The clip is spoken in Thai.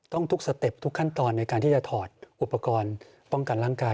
ทุกสเต็ปทุกขั้นตอนในการที่จะถอดอุปกรณ์ป้องกันร่างกาย